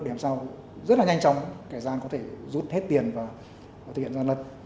để làm sao rất là nhanh chóng kẻ gian có thể rút hết tiền và thực hiện gian lận